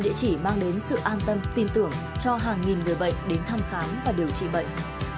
địa chỉ mang đến sự an tâm tin tưởng cho hàng nghìn người bệnh đến thăm khám và điều trị bệnh